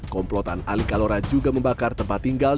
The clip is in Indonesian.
komplotan ali kalora juga membakar tempat tinggal